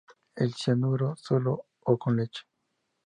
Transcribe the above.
El cianuro... ¿solo o con leche?